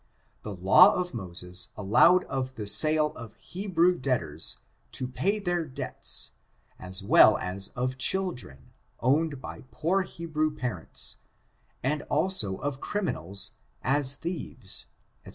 The law. of Moses allowed of the sais of Hebrew debtors, to pay their debts, as well as of children, owned by poor Hebrew pa rents, and also of criminals, as thieves, &c.